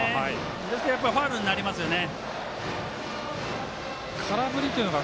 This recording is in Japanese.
ですから、やっぱりファウルになりますよね。